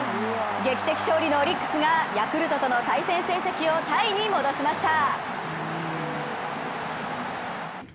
劇的勝利のオリックスがヤクルトとの対戦成績をタイに戻しました。